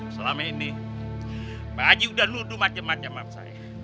selama ini pak haji udah nuduh macam macam sama saya